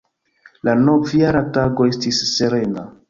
La Novjara Tago estis serena.